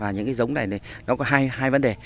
những giống này có hai vấn đề